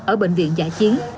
ở bệnh viện giả chiến